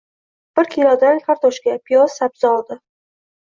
Bir kilodan kartoshka, piyoz, sabzi oldi.